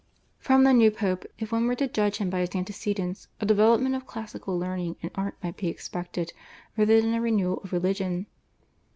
From the new Pope, if one were to judge him by his antecedents, a development of classical learning and art might be expected rather than a renewal of religion.